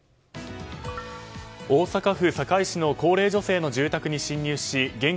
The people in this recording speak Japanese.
大阪府堺市の高齢女性の住宅に侵入し現金